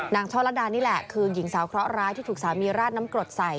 ช่อลัดดานี่แหละคือหญิงสาวเคราะหร้ายที่ถูกสามีราดน้ำกรดใส่